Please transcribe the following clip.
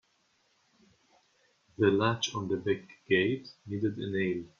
The latch on the back gate needed a nail.